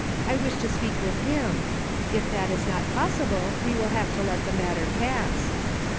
I wish to speak with him. If that is not possible we will have to let the matter pass."